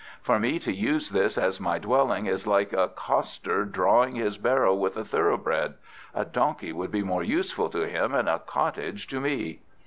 For me to use this as my dwelling is like a coster drawing his barrow with a thoroughbred. A donkey would be more useful to him, and a cottage to me."